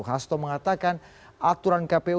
hasto mengatakan aturan kpu